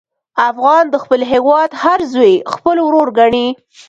افغان د خپل هېواد هر زوی خپل ورور ګڼي.